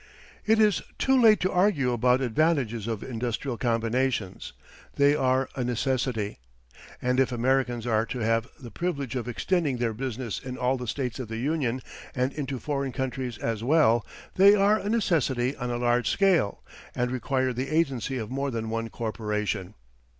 It is too late to argue about advantages of industrial combinations. They are a necessity. And if Americans are to have the privilege of extending their business in all the states of the Union, and into foreign countries as well, they are a necessity on a large scale, and require the agency of more than one corporation.